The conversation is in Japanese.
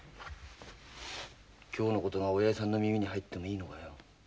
今日の事がおやじさんの耳に入ってもいいのかよ？